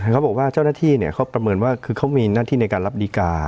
เขาบอกว่าเจ้าหน้าที่เขาประเมินว่าคือเขามีหน้าที่ในการรับดีการ์